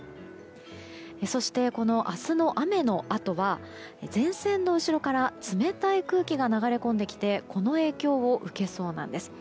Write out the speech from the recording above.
そして、明日の雨のあとは前線の後ろから冷たい空気が流れ込んできてこの影響を受けそうなんです。